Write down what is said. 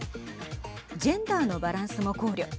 ジェンダーのバランスも考慮。